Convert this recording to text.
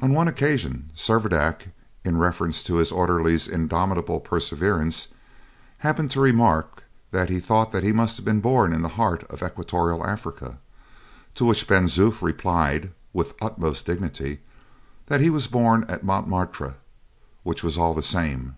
On one occasion, Servadac, in reference to his orderly's indomitable perseverance, happened to remark that he thought he must have been born in the heart of equatorial Africa; to which Ben Zoof replied, with the utmost dignity, that he was born at Montmartre, which was all the same.